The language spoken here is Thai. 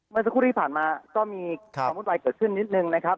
เมื่อสักครู่ที่ผ่านมาก็มีความวุ่นวายเกิดขึ้นนิดนึงนะครับ